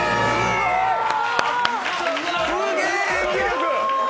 すげぇ演技力！